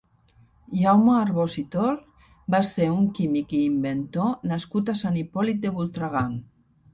Jaume Arbós i Tor va ser un químic i inventor nascut a Sant Hipòlit de Voltregà.